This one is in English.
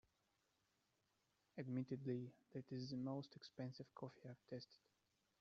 Admittedly, that is the most expensive coffee I’ve tasted.